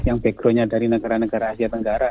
yang backgroundnya dari negara negara asia tenggara